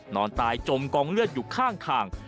นอนตายจมกองเลือดอยู่ข้างทาง